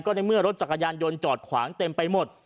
ในเมื่อรถจักรยานยนต์จอดขวางเต็มไปหมด